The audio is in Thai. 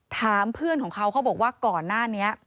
ถามเพื่อนของเขาเขาบอกว่าก่อนหน้านี้